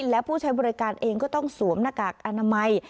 และผู้ใช้บริการเองก็ต้องสวมหน้ากากอนามัย